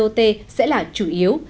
bot sẽ là chủ yếu